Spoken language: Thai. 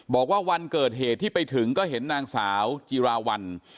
บอกว่าวันเกิดเหตุที่ไปถึงก็เห็นนางสาวจิราวัล